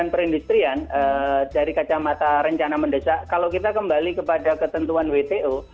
kalau menurut rencana dari teman teman kementerian dari kacamata rencana mendesak kalau kita kembali kepada ketentuan wto